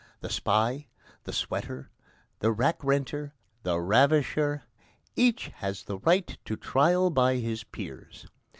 The spy, the sweater, the rack renter, the ravisher each has the right to trial by his peers.